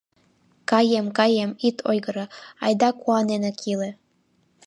Каем, каем, ит ойгыро, айда куаненак иле.